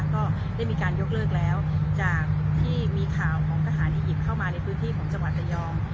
ก็ได้มีการยกเลิกแล้วจากที่มีข่าวของทหารอียิปต์เข้ามาในพื้นที่ของจังหวัดระยอง